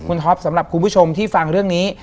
คุณท็อปสำหรับคุณผู้ชมที่ฟังเรื่องนี้